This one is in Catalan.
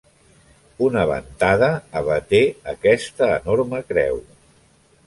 Una ventada abaté aquesta enorme creu.